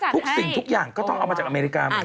ทุกสิ่งทุกอย่างก็ต้องเอามาจากอเมริกาไปเลย